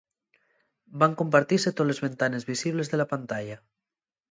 Van compartise toles ventanes visibles de la pantalla.